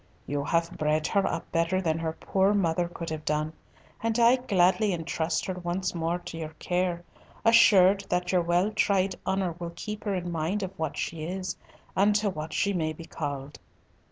You have bred her up better than her poor mother could have done, and I gladly entrust her once more to your care, assured that your well tried honour will keep her in mind of what she is, and to what she may be called."